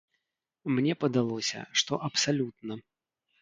Мне падалося, што абсалютна.